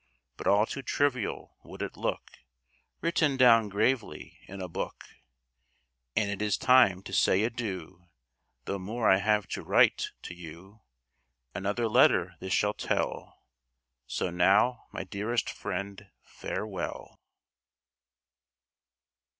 But all too trivial would it look, Written down gravely in a book: And it is time to say adieu, Though more I have to write to you. Another letter this shall tell: So now, my dearest friend, farewell.